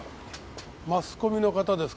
マスコミの方ですか？